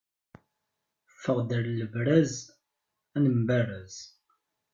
Ffeɣ-d ar lebraz, ad nemberraz!